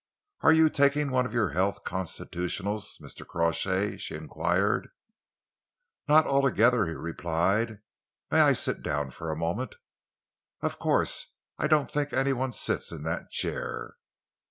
"Are you taking one of your health constitutionals, Mr. Crawshay?" she enquired. "Not altogether," he replied. "May I sit down for a moment?" "Of course! I don't think any one sits in that chair."